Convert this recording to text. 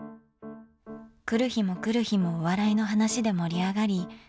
来る日も来る日もお笑いの話で盛り上がり